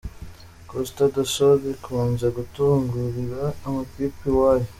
Costa Do Sol ikunze gutungurira amakipe iwayo.